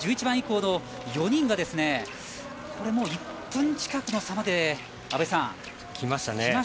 １１番以降の４人が１分近くの差まできましたね。